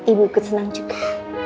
ibu ku senang juga